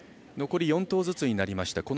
残り４投ずつになりました。